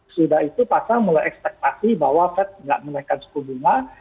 sudah itu pasar mulai ekspektasi bahwa fed nggak menaikkan suku bunga